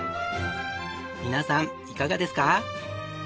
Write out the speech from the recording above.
皆さんいかがですか？